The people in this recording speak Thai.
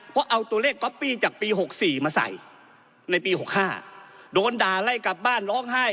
เพราะเอาตัวเลขก๊อปปี้จากปี๖๔มาใส่ในปี๖๕โดนด่าไล่กลับบ้านร้องไห้